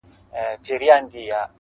په تورو سترگو کي کمال د زلفو مه راوله